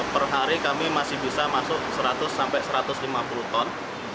per hari kami masih bisa masuk seratus sampai satu ratus lima puluh ton